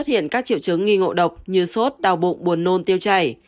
những các triệu chứng nghi ngộ độc như sốt đau bụng buồn nôn tiêu chảy